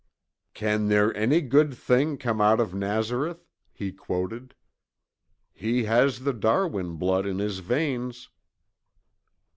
"'Can there any good thing come out of Nazareth?'" he quoted. "He has the Darwin blood in his veins."